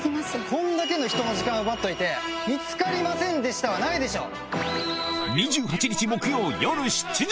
こんだけ人の時間奪っといて見つかりませんはないでしょ！